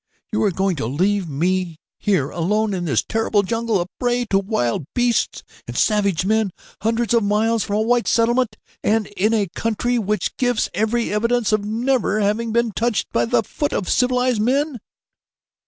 "You are going to leave me here alone in this terrible jungle, a prey to wild beasts and savage men, hundreds of miles from a white settlement and in a country which gives every evidence of never having been touched by the foot of civilized men?"